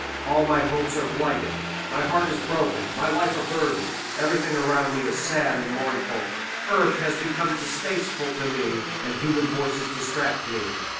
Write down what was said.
All my hopes are blighted, my heart is broken, my life a burden, everything around me is sad and mournful; earth has become distasteful to me, and human voices distract me.